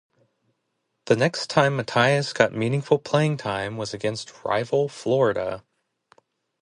The next time Mathis got meaningful playing time was against rival Florida.